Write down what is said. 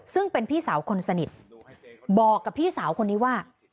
ซึ่งเป็นพี่สาวคนสนิทบอกกับพี่สาวคนนี้ว่า